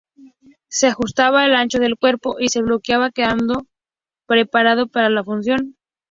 Se ajustaba al ancho del cuerpo y se bloqueaba quedando preparado para la fundición.